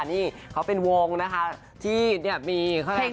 นี่เค้าเป็นวงนะคะที่เนี่ยมีเครื่องแบบแท้ง